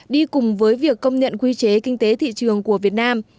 đi cùng với việc công nhận quy chế kinh tế thị trường của việt nam